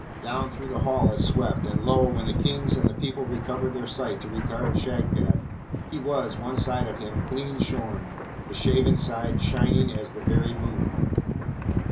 Down through the Hall it swept; and lo! when the Kings and the people recovered their sight to regard Shagpat, he was, one side of him, clean shorn, the shaven side shining as the very moon!